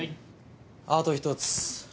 あと１つ。